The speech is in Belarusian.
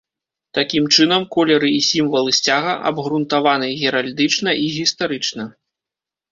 Такім чынам, колеры і сімвалы сцяга абгрунтаваны геральдычна і гістарычна.